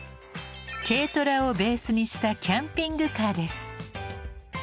軽トラをベースにしたキャンピングカーです。